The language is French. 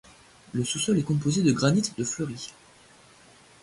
Le sous-sol est composé de granite de Fleurie.